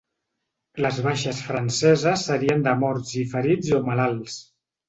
Les baixes franceses serien de morts i ferits o malalts.